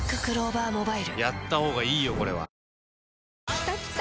きたきた！